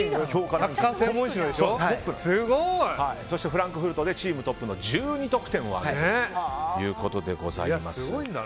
フランクフルトでチームトップの１２得点を挙げているということです。